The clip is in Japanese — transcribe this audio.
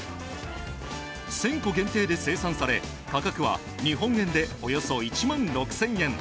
１０００個限定で生産され価格は日本円でおよそ１万６０００円。